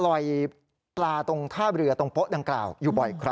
แล้วบางครั้งตรงโป๊ะก็มีประชาชนมาทำบุญปล่าตรงโป๊ะดังกล่าวอยู่บ่อยครั้งนะครับ